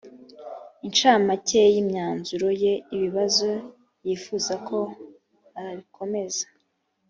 incamake y imyanzuro ye ibibazo yifuza ko abikomeza